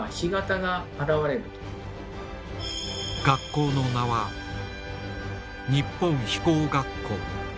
学校の名は「日本飛行学校」。